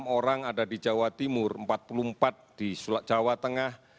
enam orang ada di jawa timur empat puluh empat di jawa tengah